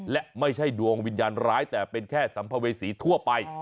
และไม่ใช่ดวงวิญญาณร้ายแต่เป็นแค่สัมภเวษีทั่วไป